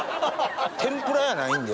天ぷらやないんで。